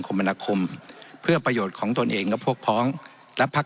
มนาคมเพื่อประโยชน์ของตนเองและพวกพ้องและพัก